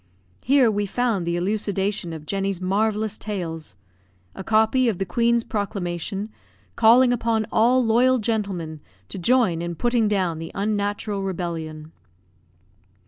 Here we found the elucidation of Jenny's marvelous tales: a copy of the Queen's proclamation, calling upon all loyal gentlemen to join in putting down the unnatural rebellion.